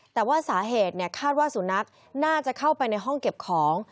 แต่ว่าสาเหตุคาดว่าสุนัขน่าจะเข้าไปในห้องเก็บของ